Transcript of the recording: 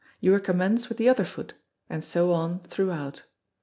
You recommence with the other foot, and so on throughout.